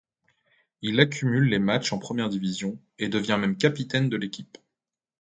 Il accumule les matches en première division, et devient même capitaine de l'équipe.